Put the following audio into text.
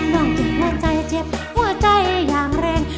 น้องเจ็บและใจเจ็บหัวใจอย่างแรง